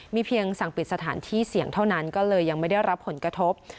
เพียงสั่งปิดสถานที่เสี่ยงเท่านั้นก็เลยยังไม่ได้รับผลกระทบ